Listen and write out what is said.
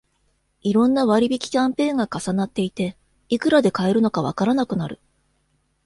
いろんな割引キャンペーンが重なっていて、いくらで買えるのかわからなくなる